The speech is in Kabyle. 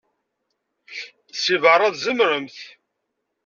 Seg beṛṛa, tzemremt.